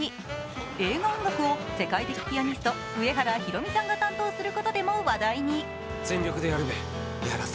映画音楽を世界的ピアニスト、上原ひろみさんが担当することでも話題に。